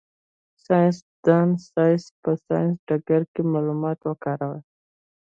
ساینس دان دي په ساینسي ډګر کي معلومات وکاروي.